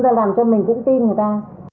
đâm ra làm cho mình cũng tin người ta